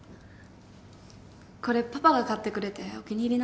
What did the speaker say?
これパパが買ってくれてお気に入りなんです。